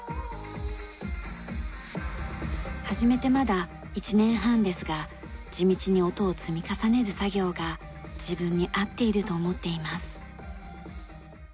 「」始めてまだ１年半ですが地道に音を積み重ねる作業が自分に合っていると思っています。